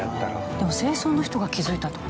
でも清掃の人が気づいたって事。